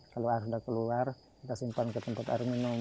kalau air sudah keluar kita simpan ke tempat air minum